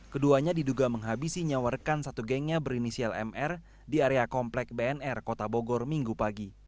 keduanya diduga menghabisi nyawa rekan satu gengnya berinisial mr di area komplek bnr kota bogor minggu pagi